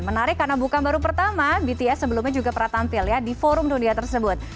menarik karena bukan baru pertama bts sebelumnya juga pernah tampil ya di forum dunia tersebut